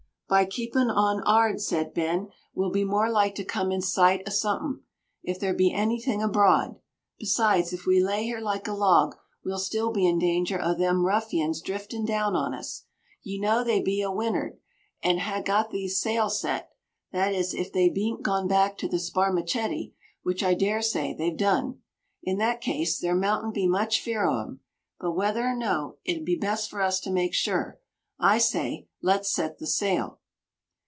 "By keepin' on'ard," said Ben, "we'll be more like to come in sight o' somethin', if there be anythin' abroad. Besides, if we lay here like a log, we'll still be in danger o' them ruffians driftin' down on us. Ye know they be a win'ard, an' ha' got theer sail set, that is, if they bean't gone back to the sparmacety, which I dar say they've done. In that case there moutn't be much fear o' 'em; but whether or no, it be best for us to make sure. I say let's set the sail."